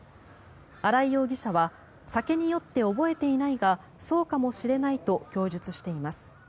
荒井容疑者は酒に酔って覚えていないがそうかもしれないと供述しています。